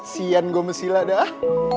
sian gue mesila dah